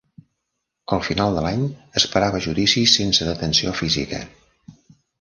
Al final de l'any esperava judici sense detenció física.